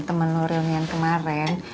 temen lu reun yang kemarin